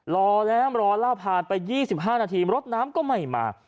รอแล้วรอรอแล้วพานไป๒๕นาทีมรดน้ำคงไม่มา